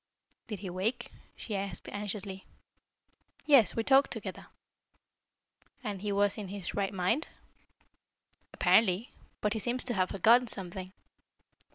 "Did he wake?" she asked anxiously. "Yes. We talked together." "And he was in his right mind?" "Apparently. But he seems to have forgotten something."